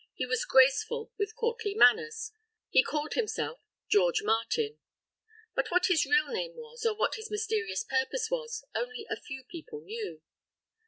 He was graceful, with courtly manners. He called himself George Martin. But what his real name was, or what his mysterious purpose was, only a few people knew.